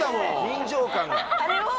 臨場感が。